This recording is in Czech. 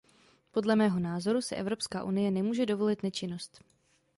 Podle mého názoru si Evropská unie nemůže dovolit nečinnost.